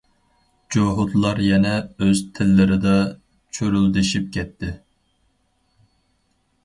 جوھۇتلار يەنە ئۆز تىللىرىدا چۇرۇلدىشىپ كەتتى.